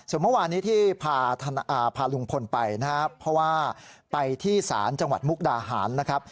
ส่วนเมื่อวานนี้ที่พาลุงพลไปนะครับเพราะว่าไปที่ศาลจังหวัดมุกดาหารนะครับ